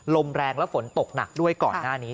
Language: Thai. ลมแรงและฝนตกหนักด้วยก่อนหน้านี้